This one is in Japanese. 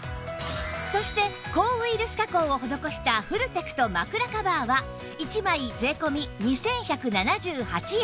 そして抗ウイルス加工を施したフルテクト枕カバーは１枚税込２１７８円